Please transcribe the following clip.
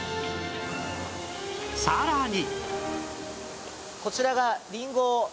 さらに